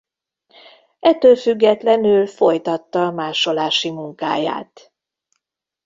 Ettől függetlenül folytatta másolási munkáját.